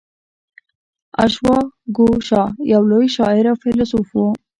اشواګوشا یو لوی شاعر او فیلسوف و